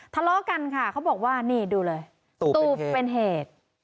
ทะเลาะกันค่ะเขาบอกว่านี่ดูเลยตูบเป็นเหตุ